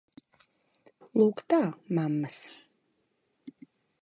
Lūk tā, mammas!